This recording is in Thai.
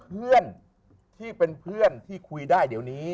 เพื่อนที่เป็นเพื่อนที่คุยได้เดี๋ยวนี้